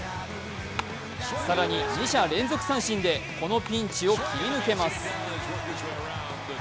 更に二者連続三振でこのピンチを切り抜けます。